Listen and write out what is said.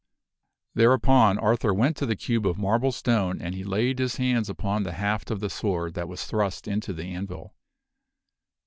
Thereupon Arthur went to the cube of marble stone and he laid his hands upon the haft of the sword that was thrust into the anvil.